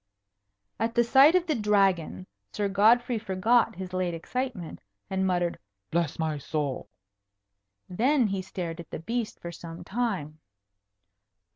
At the sight of the Dragon, Sir Godfrey forgot his late excitement, and muttered "Bless my soul!" Then he stared at the beast for some time.